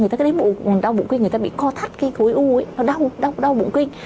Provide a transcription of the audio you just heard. người ta cái đấy đau bụng kinh người ta bị co thắt cái khối u ấy nó đau đau bụng kinh